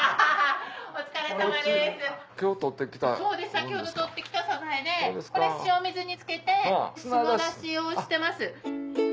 先ほどとって来たサザエでこれ塩水につけて砂出しをしてます。